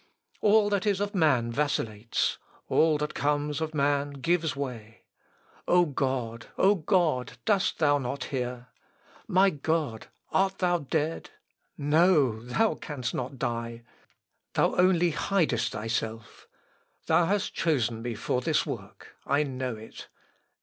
All that is of man vacillates! All that comes of man gives way. O God, O God, dost thou not hear?... My God! art thou dead?... No, thou canst not die! Thou only hidest Thyself. Thou hast chosen me for this work. I know it!